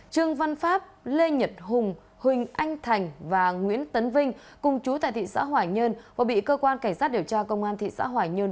trường văn pháp lê nhật hùng huỳnh anh thành và nguyễn tấn vinh cùng chú tại thị xã hỏa nhơn và bị cơ quan cảnh sát điều tra công an thị xã hỏa nhơn